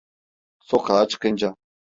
Sokağa çıkınca: